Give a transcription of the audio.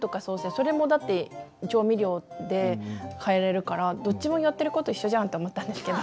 それもだって調味料で変えれるからどっちもやってる事一緒じゃんと思ったんですけど。